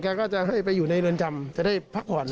ก็จะให้ไปอยู่ในเรือนจำจะได้พักผ่อน